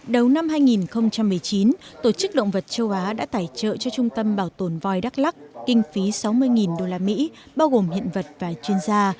đầu năm hai nghìn một mươi chín tổ chức động vật châu á đã tài trợ cho trung tâm bảo tồn voi đắk lắc kinh phí sáu mươi usd bao gồm hiện vật và chuyên gia